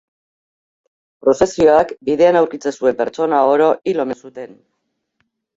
Prozesioak bidean aurkitzen zuen pertsona oro hil omen zuten.